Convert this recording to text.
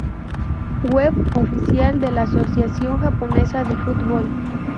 Web oficial de la Asociación japonesa de fútbol